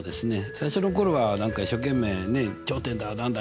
最初の頃は何か一生懸命ね頂点だ何だ